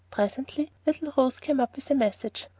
Presently little Rose came up with a message.